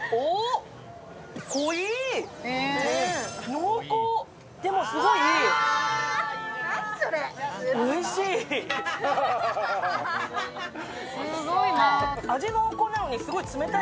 濃厚、でもすごいおいしい。